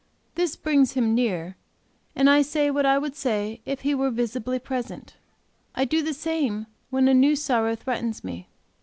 This brings Him near, and I say what I would say if He were visibly present. I do the same when a new sorrow threatens me.